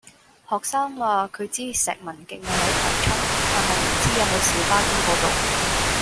學生話佢知石文徑係喺葵涌，但係唔知有冇小巴經嗰度